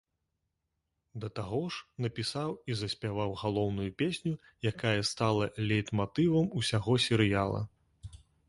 Да таго ж, напісаў і заспяваў галоўную песню, якая стала лейтматывам усяго серыяла.